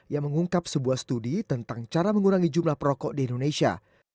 yang mengungkap sebuah studi tentang cara mengurangi jumlah perokok di indonesia